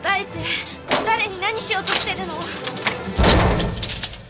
誰に何しようとしてるの！？